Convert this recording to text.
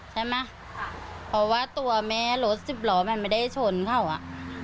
ใช่ไหมค่ะเพราะว่าตัวแม่รถสิบล้อมันไม่ได้ชนเขาอ่ะ